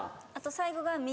あと最後が。